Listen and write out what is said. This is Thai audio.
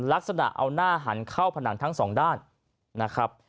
ลักษณะเอาหน้าหันเข้าผนังทั้งสองด้านนะครับ